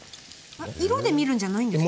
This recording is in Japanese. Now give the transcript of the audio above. えっ色で見るんじゃないんですか？